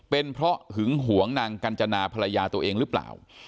เป็นเพราะหึงหวงนางกัญจนาภรรยาตัวเองหรือเปล่า